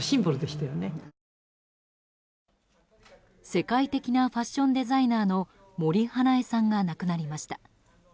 世界的なファッションデザイナーの森英恵さんが亡くなりました。